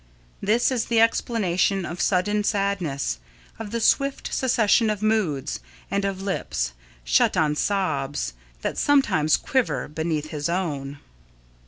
This is the explanation of sudden sadness, of the swift succession of moods, and of lips, shut on sobs, that sometimes quiver beneath his own.